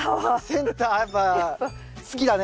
センターやっぱ好きだね。